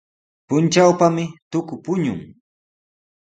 Puntrawpami tuku puñun.